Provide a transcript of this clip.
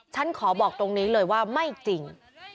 ฉันขอบอกตรงนี้เลยว่าไม่จริง